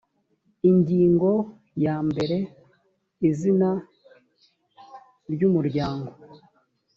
ingingo ya mbere izina ry umuryango